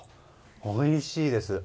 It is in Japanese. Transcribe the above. おいしいです。